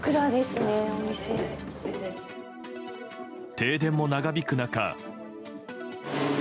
停電も長引く中。